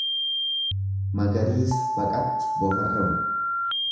Magariisa baqatti bofarra bu'u.